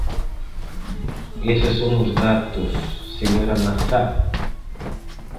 Eses son os datos, señora Mazá.